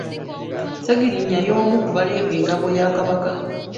Ssegiriinya y'omu ku baleega engabo ya Kabaka.